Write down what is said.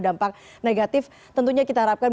dampak negatif tentunya kita harapkan